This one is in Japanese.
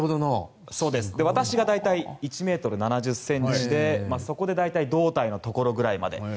私が大体１ｍ７０ｃｍでそこで大体胴体のところぐらいまで。